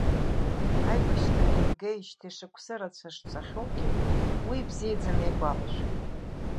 Аибашьра еилгеижьҭеи шықәсы рацәа шцахьоугьы, уи ибзиаӡаны игәалашәоит.